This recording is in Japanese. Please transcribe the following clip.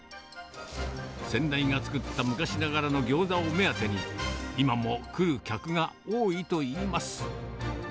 先代が作った昔ながらの餃子を目当てに、今も来る客が多いといいます。